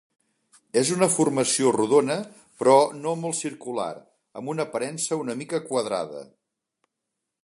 És una formació rodona però no molt circular, amb una aparença una mica quadrada.